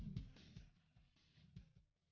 sini tuh kita duke ke ngerdain